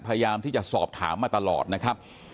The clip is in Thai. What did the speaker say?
พยายามที่จะสอบถามมาตลอดนะครับ